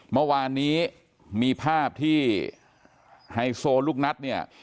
เมื่อวานนี้มีภาพที่ไฮโซลูกนัดเนี่ย